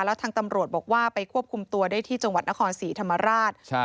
แล้วทางตำรวจบอกว่าไปควบคุมตัวได้ที่จังหวัดนครศรีธรรมราช